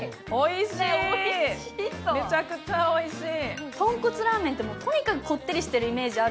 おいし、めちゃくちゃおいしい。